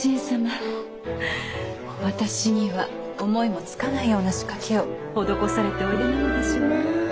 私には思いもつかないような仕掛けを施されておいでなのでしょうねえ。